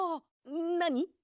なに？